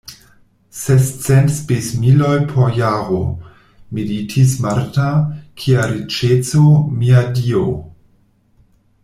Sescent spesmiloj por jaro, meditis Marta, kia riĉeco, mia Dio!